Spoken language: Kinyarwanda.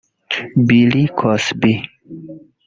Bill Cosby